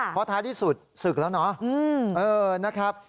เพราะท้ายที่สุดศึกแล้วเนาะนะครับ